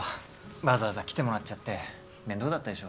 わざわざ来てもらっちゃって面倒だったでしょ？